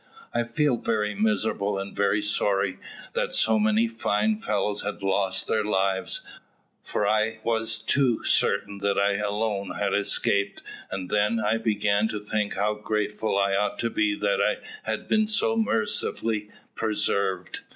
I felt very miserable and very sorry that so many fine fellows had lost their lives, for I was too certain that I alone had escaped, and then I began to think how grateful I ought to be that I had been so mercifully preserved.